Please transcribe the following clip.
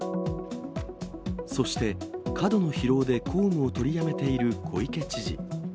そして、過度の疲労で公務を取りやめている小池知事。